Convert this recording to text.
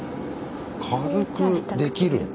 軽くできるんだ。